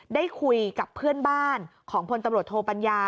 ได้คุยกับเพื่อนบ้านของพลตำรวจโทปัญญา